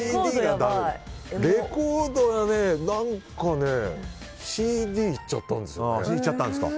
レコードは何かねＣＤにいっちゃったんですよね。